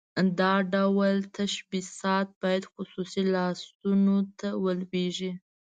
دا ډول تشبثات باید خصوصي لاسونو ته ولویږي.